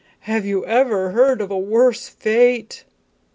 Have you ever heard of a worse fate!"